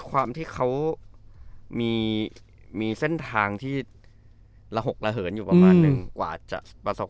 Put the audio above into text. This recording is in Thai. ความที่เขามีเส้นทางที่ระหกระเหินอยู่ประมาณหนึ่งกว่าจะประสบ